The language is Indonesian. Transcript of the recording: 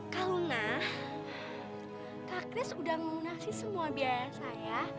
kak luna kak kris udah mengumumasi semua biaya saya